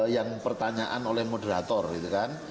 yang pertanyaan oleh moderator gitu kan